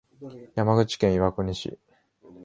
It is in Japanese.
山口県岩国市